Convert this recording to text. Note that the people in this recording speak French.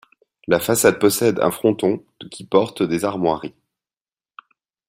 La façade possède un fronton qui porte des armoiries.